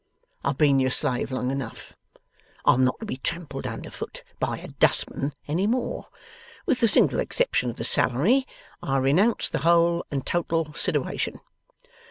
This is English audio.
I've been your slave long enough. I'm not to be trampled under foot by a dustman any more. With the single exception of the salary, I renounce the whole and total sitiwation.